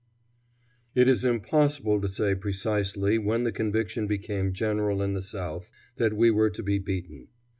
It is impossible to say precisely when the conviction became general in the South that we were to be beaten.